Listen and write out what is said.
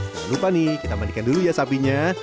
jangan lupa nih kita mandikan dulu ya sapinya